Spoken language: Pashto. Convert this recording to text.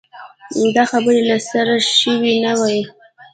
دا خبرې له سره شوې نه وای.